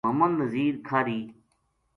محمد نزیر کھاہری